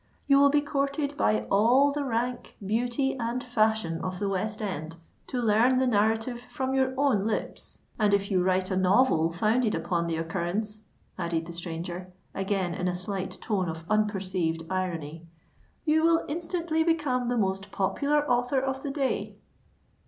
You will be courted by all the rank, beauty, and fashion of the West End, to learn the narrative from your own lips; and if you write a novel founded upon the occurrence," added the stranger, again in a slight tone of unperceived irony, "you will instantaneously become the most popular author of the day."